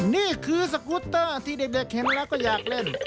นี่คือสกูตเตอร์ที่เด็กเห็นแล้วก็อยากเล่น